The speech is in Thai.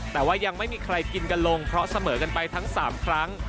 แต่ว่ายังไม่มีใครกินกันลงเพราะเสมอกันไปทั้ง๓ครั้ง